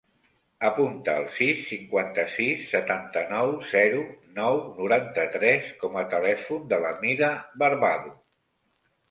Apunta el sis, cinquanta-sis, setanta-nou, zero, nou, noranta-tres com a telèfon de la Mirha Barbado.